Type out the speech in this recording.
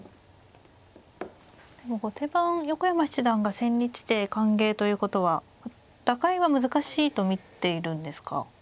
でも後手番横山七段が千日手歓迎ということは打開は難しいと見ているんですか。